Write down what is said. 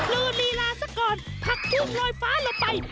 ลีลาซะก่อนผักกุ้งลอยฟ้าลงไป